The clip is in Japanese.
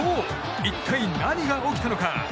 一体、何が起きたのか？